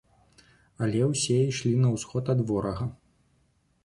Але ўсе ішлі на ўсход ад ворага.